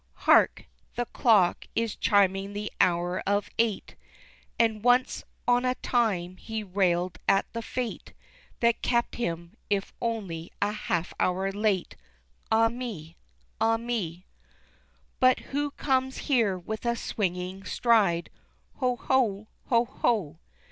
Hark, the clock is chiming the hour of eight, And once on a time he railed at the fate That kept him, if only a half hour late Ah me! Ah me! But who comes here with a swinging stride? Ho! Ho! Ho! Ho!